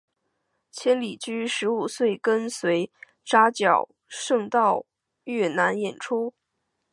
千里驹十五岁跟随扎脚胜到越南演出。